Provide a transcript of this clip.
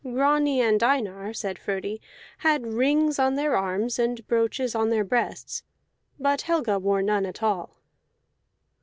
"Grani and Einar," said Frodi, "had rings on their arms and brooches on their breasts, but Helga wore none at all."